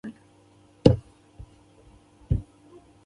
اګوستوس اشراف د عامو وګړو پر وړاندې تقویه کړل